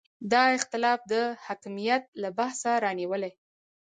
دا اختلاف د حکمیت له بحثه رانیولې.